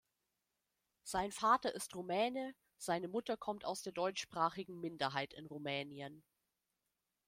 Sein Vater ist Rumäne, seine Mutter kommt aus der deutschsprachigen Minderheit in Rumänien.